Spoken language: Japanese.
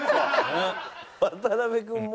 渡辺君も。